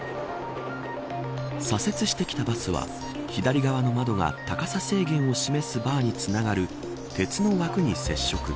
左折してきたバスは左側の窓が高さ制限を示すバーにつながる鉄の枠に接触。